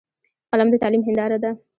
قلم د تعلیم هنداره ده